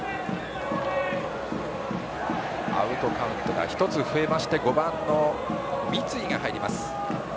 アウトカウントが１つ増えまして５番の三井が入ります。